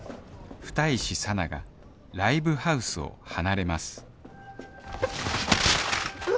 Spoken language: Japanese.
二石紗菜がライブハウスを離れますわ！